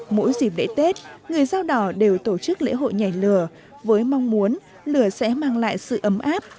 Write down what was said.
mỗi dịp lễ tết người dao đỏ đều tổ chức lễ hội nhảy lửa với mong muốn lửa sẽ mang lại sự ấm áp